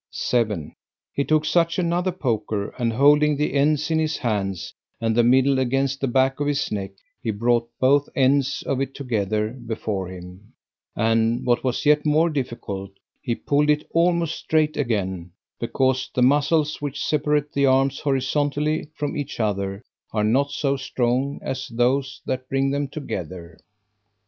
7. He took such another poker, and holding the ends in his hands, and the middle against the back of his neck, he brought both ends of it together before him; and, what was yet more difficult, he pulled it almost straight again: because the muscles which separate the arms horizontally from each other, are not so strong as those that bring them together.